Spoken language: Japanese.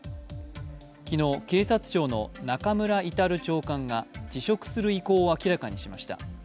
昨日、警察庁の中村格長官が辞職する意向を明らかにしました。